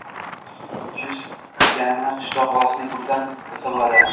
Kuz kirganini qishloq bolasining qo‘lidan bilsa bo‘ladi.